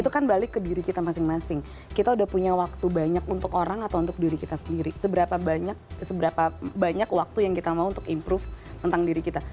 itu kan balik ke diri kita masing masing kita udah punya waktu banyak untuk orang atau untuk diri kita sendiri seberapa banyak seberapa banyak waktu yang kita mau untuk improve tentang diri kita